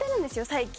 最近。